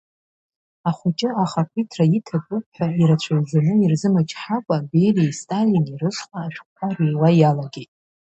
Ахәыҷы ахақәиҭра иҭатәуп, ҳәа ирацәаҩӡаны ирзымчҳакәа Бериеи Сталини рышҟа ашәҟәқәа рыҩуа иалагеит.